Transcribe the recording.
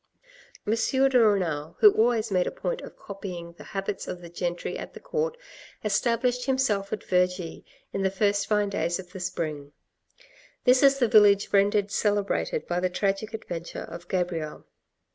M. de Renal, who always made a point of copying the habits of the gentry of the court, established himself at Vergy in the first fine days of the spring ; this is the village rendered celebrated by the tragic adventure of Gabrielle.